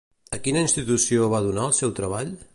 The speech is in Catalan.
A quina institució va donar el seu treball?